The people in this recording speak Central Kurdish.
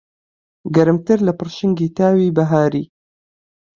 گەرمتر لە پڕشنگی تاوی بەهاری